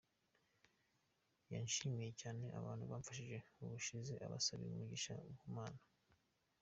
Yashimiye cyane abantu babafashije ubushize abasabira umugisha ku Mana.